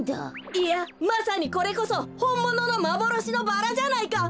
いやまさにこれこそほんもののまぼろしのバラじゃないか！